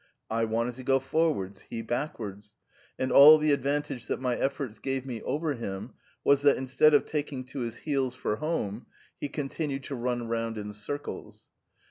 I wanted to go forwards, he backwards, and all the ad vantage that my efforts gave me over him was that in stead of taking to his heels for home, he continued to run round in circles.